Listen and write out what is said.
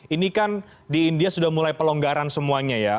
ini kan di india sudah mulai pelonggaran semuanya ya